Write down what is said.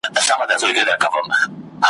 ما اورېدلی قحط الرجال دی `